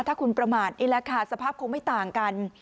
ถ้าคุณประมาทนี่แหละค่ะสภาพคงไม่ต่างกัน